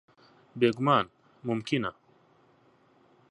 بێگومان، مومکینە.